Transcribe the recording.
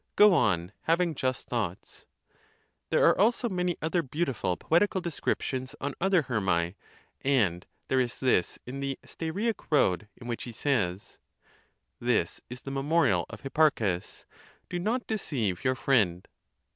Go on, having just thoughts." There are also many other beautiful poetical descriptions on other Herme ; and there is this in the Steiriac* road, in which he says— "This is the memorial of Hipparchus. Do not deceive your friend."